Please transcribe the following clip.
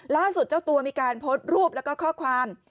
ล่าสุดเจ้าตัวมีการพดรูปแล้วก็ข้อความ